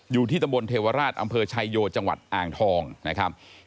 อยู่ที่ตำบลเทวราชอำเภอชายโยจังหวัดอ่างทองนะครับ